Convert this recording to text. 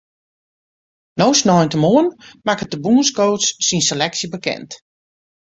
No sneintemoarn makket de bûnscoach syn seleksje bekend.